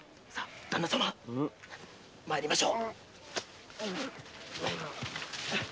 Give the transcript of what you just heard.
旦那様参りましょう。